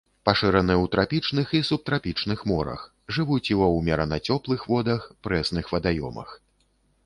Пашыраны ў трапічных і субтрапічных морах, жывуць і ва ўмерана цёплых водах, прэсных вадаёмах.